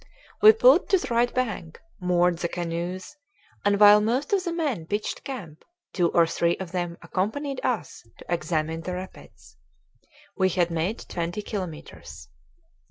We pulled to the right bank, moored the canoes, and while most of the men pitched camp two or three of them accompanied us to examine the rapids. We had made twenty kilometres.